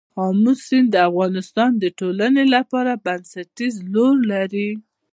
آمو سیند د افغانستان د ټولنې لپاره بنسټيز رول لري.